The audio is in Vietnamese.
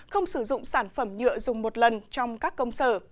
không sử dụng sản phẩm nhựa dùng một lần trong các công sở